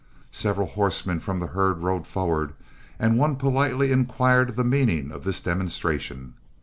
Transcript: Several horsemen from the herd rode forward, and one politely inquired the meaning of this demonstration.